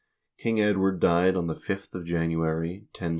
King Edward died on the 5th of January, 1066.